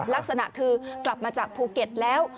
ลักษณะคือกลับมาจากภูเก็ตแล้ว